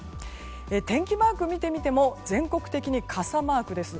天気マークを見てみても全国的に傘マークです。